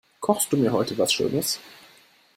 Kochst du mir heute was schönes?